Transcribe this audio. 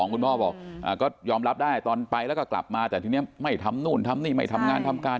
คุณพ่อบอกก็ยอมรับได้ตอนไปแล้วก็กลับมาแต่ทีนี้ไม่ทำนู่นทำนี่ไม่ทำงานทำการ